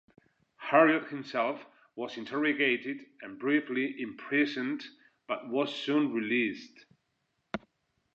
Harriot himself was interrogated and briefly imprisoned but was soon released.